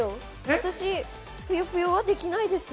私、『ぷよぷよ』できないですよ。